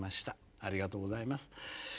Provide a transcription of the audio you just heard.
ありがとうございます。